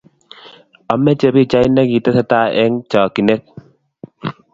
ameche pichait ne kitesetai eng chakchyinet